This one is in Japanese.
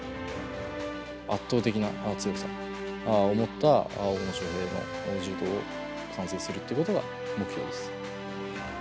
圧倒的な強さを持った大野将平の柔道を完成するということが目標です。